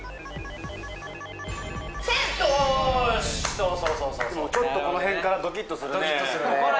そうそうそうちょっとこの辺からドキッとするねドキッとするね